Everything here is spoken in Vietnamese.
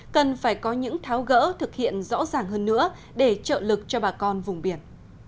cần phải có những tháo gỡ thực hiện rõ ràng hơn nữa để trợ lực cho bà con vùng biển